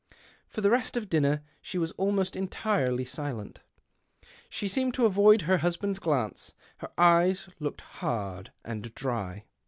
For the rest of dinner she was almost entirely silent. She seemed to avoid her husband's glance. Her eyes looked hard and dry.